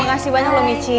terima kasih banyak loh michi